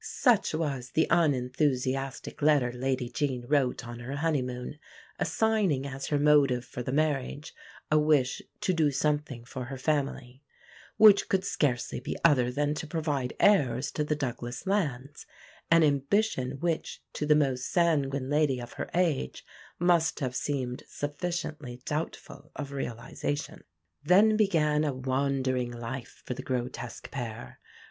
Such was the unenthusiastic letter Lady Jean wrote on her honeymoon, assigning as her motive for the marriage a wish "to do something for her family," which could scarcely be other than to provide heirs to the Douglas lands an ambition which to the most sanguine lady of her age must have seemed sufficiently doubtful of realisation. Then began a wandering life for the grotesque pair.